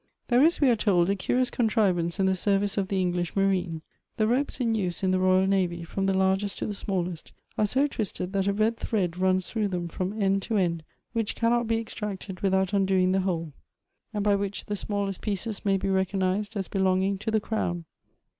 There is, we are told, a curious contrivance in the service of the English marine. The ropes iu use in the royal navy, from the largest to the smallest, are so twist ed that a red thread runs through them from end to end, which cannot be extracted without undoing the whole : and by which the smallest pieces may be recognized as belonging to the crown.